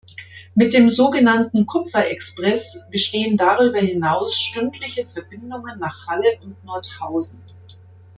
Mit dem sogenannten „Kupfer-Express“ bestehen darüber hinaus stündliche Verbindungen nach Halle und Nordhausen.